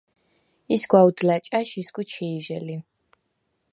ისგვა უდლა̈ ჭა̈შ ისგუ ჩი̄ჟე ლი.